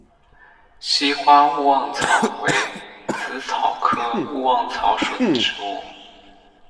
稀花勿忘草为紫草科勿忘草属的植物。